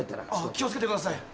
気を付けてください。